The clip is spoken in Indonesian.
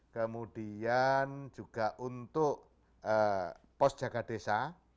kemudian juga untuk pos jaga desa